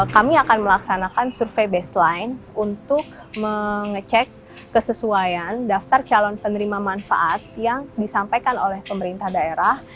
kami akan melaksanakan survei baseline untuk mengecek kesesuaian daftar calon penerima manfaat yang disampaikan oleh pemerintah daerah